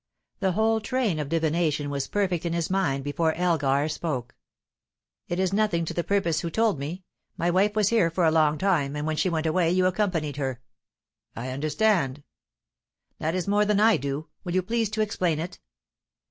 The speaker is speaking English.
The whole train of divination was perfect in his mind before Elgar spoke. "It is nothing to the purpose who told me. My wife was here for a long time, and when she went away, you accompanied her." "I understand." "That is more than I do. Will you please to explain it?"